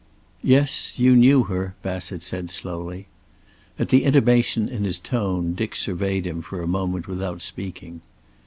"Yes. You knew her," Bassett said slowly. At the intimation in his tone Dick surveyed him for a moment without speaking.